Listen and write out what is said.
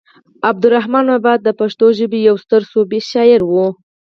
عبد الرحمان بابا د پښتو ژبې يو ستر صوفي شاعر و